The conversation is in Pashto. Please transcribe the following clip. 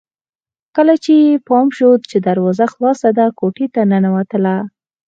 کله چې يې پام شو چې دروازه خلاصه ده کوټې ته ننوتله